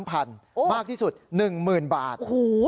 ๓๐๐๐บาทมากที่สุด๑๐๐๐๐บาท